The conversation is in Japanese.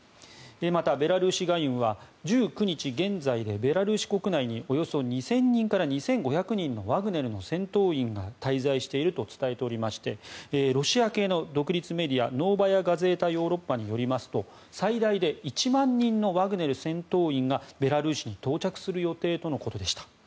また、ベラルーシ・ガユンは１９日現在でベラルーシ国内におよそ２０００人から２５００人のワグネルの戦闘員が滞在していると伝えていましてロシア系の独立メディアノーバヤ・ガゼータ・ヨーロッパによりますと最大で１万人のワグネル戦闘員がベラルーシに到着する予定とのことでした。